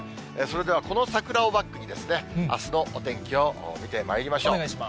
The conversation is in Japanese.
それではこの桜をバックに、あすのお天気を見てまいりましょう。